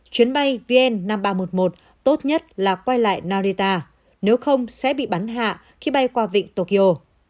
chuyến bay vn năm nghìn ba trăm một mươi một tốt nhất là quay lại narita nếu không sẽ bị bắn hạ khi bay qua vịnh tokyo